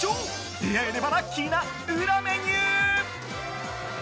出会えればラッキーな裏メニュー。